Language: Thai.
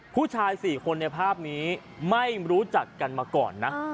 ผู้ชาย๔คนในภาพนี้ไม่รู้จักกันมาก่อนนะ